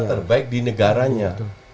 terbaik di negaranya